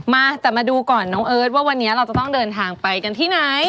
มาแต่มาดูก่อนน้องเอิร์ทว่าวันนี้เราจะต้องเดินทางไปกันที่ไหน